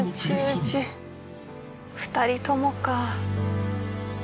２人ともか。